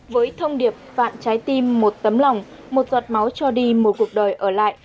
với thông điệp vạn trái tim một tấm lòng một giọt máu cho đi một cuộc đời ở lại